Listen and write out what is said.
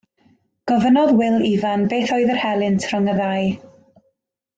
Gofynnodd Wil Ifan beth oedd yr helynt rhwng y ddau.